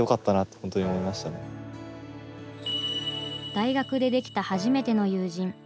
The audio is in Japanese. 大学でできた初めての友人。